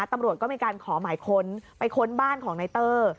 ตำรวจก็มีการขอหมายค้นไปค้นบ้านของนายเตอร์